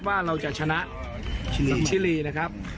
ว่าเราจะชนะชิลีนะครับ